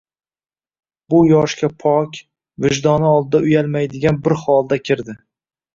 Bu yoshga pok, vijdoni oldida uyalmaydigan bir holda kirdi.